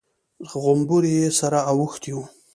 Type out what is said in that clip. غومبري يې سره اوښتي وو.